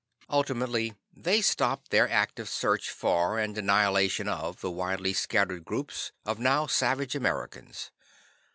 Ultimately they stopped their active search for, and annihilation of, the widely scattered groups of now savage Americans.